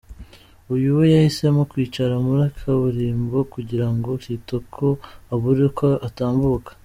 Uyu we yahisemo kwicara muri kaburimbo kugira ngo Kitoko abure uko atambuka!!.